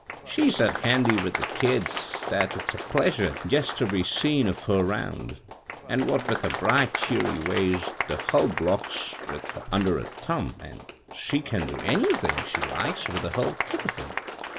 "She's that handy with the kids that it's a pleasure jest ter be seein' of her 'round. An' what with her bright, cheery ways, the hull block's under her thumb, an' she can do anythin' she likes with the hull kit of *em.